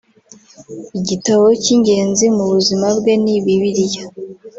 Igitabo cy’ingenzi mu buzima bwe ni Bibiliya